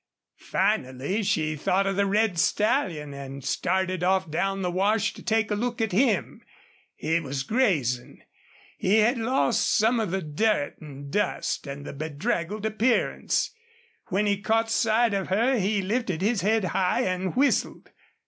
Finally she thought of the red stallion, and started off down the wash to take a look at him. He was grazing. He had lost some of the dirt and dust and the bedraggled appearance. When he caught sight of her he lifted his head high and whistled.